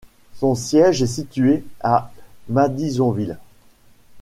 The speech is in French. Son siège est situé à Madisonville.